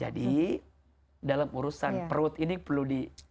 jadi dalam urusan perut ini perlu di